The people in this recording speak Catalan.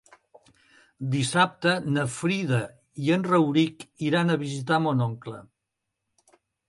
Dissabte na Frida i en Rauric iran a visitar mon oncle.